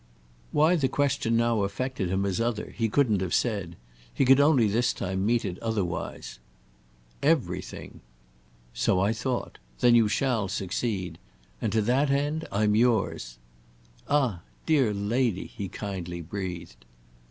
Why the question now affected him as other he couldn't have said; he could only this time meet it otherwise. "Everything." "So I thought. Then you shall succeed. And to that end I'm yours—" "Ah, dear lady!" he kindly breathed.